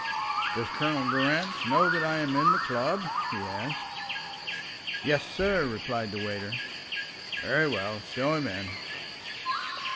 "Does Colonel Durrance know that I am in the club?" he asked. "Yes, sir," replied the waiter. "Very well. Show him in."